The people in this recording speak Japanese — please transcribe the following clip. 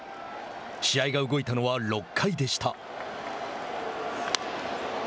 試合が動いたのは、６回でした。